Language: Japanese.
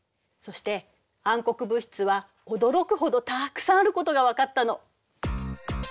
そして暗黒物質は驚くほどたくさんあることが分かったの。